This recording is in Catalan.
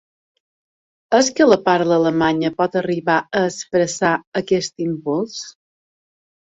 És que la parla alemanya pot arribar a expressar aquest impuls?